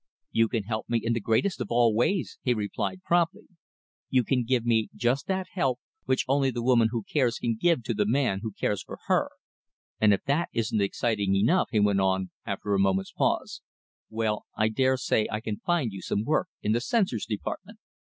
"You can help me in the greatest of all ways," he replied promptly. "You can give me just that help which only the woman who cares can give to the man who cares for her, and if that isn't exciting enough," he went on, after a moment's pause, "well, I dare say I can find you some work in the censor's department."